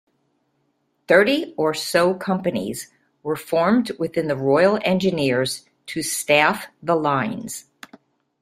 Thirty or so Companies were formed within the Royal Engineers to staff the lines.